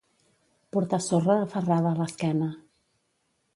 Portar sorra aferrada a l'esquena.